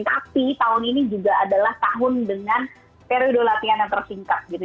tapi tahun ini juga adalah tahun dengan periode latihan yang tersingkat gitu